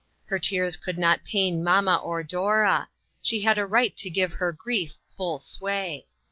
Her tears could not pain mamma or Dora ; she had a right to give her grief full sway.